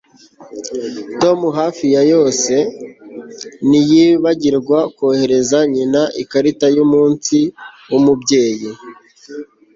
tom hafi ya yose ntiyibagirwa kohereza nyina ikarita yumunsi wumubyeyi